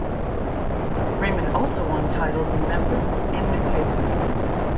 Raymond also won titles in Memphis and New Haven.